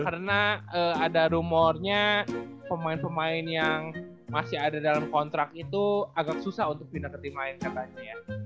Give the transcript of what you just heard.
karena ada rumornya pemain pemain yang masih ada dalam kontrak itu agak susah untuk pindah ke tim lain katanya